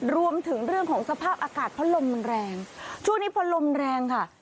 รวมถึงเรื่องของสภาพอากาศเพราะลมมันแรงช่วงนี้พอลมแรงค่ะ